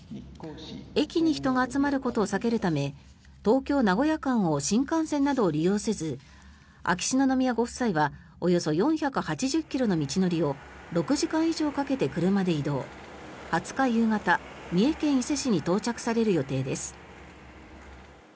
駅に人が集まることを避けるため東京名古屋間を新幹線などを利用せず秋篠宮ご夫妻はおよそ４８０ｋｍの道のりを６時間以上かけて車で移動２０日夕方三重県伊勢市に到着される予定です。